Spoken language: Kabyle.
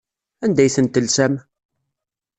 Anda ay tent-telsam?